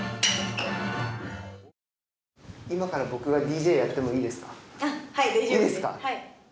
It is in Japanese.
今から僕がＤＪやってもいいですか。